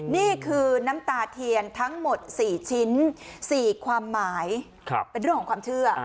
นี่คือน้ำตาเทียนทั้งหมด๔ชิ้น๔ความหมายเป็นเรื่องของความเชื่อ